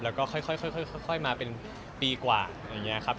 แล้วก็ค่อยมาเป็นปีกว่าอะไรอย่างนี้ครับ